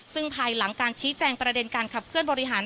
ซึ่งภายหลังการชี้แจงประเด็นการขับเคลื่อนบริหาร